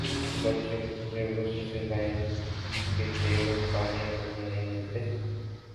بچے کو تجربے سے سکھائیں کہ تیل اور پانی آپس میں نہیں ملتے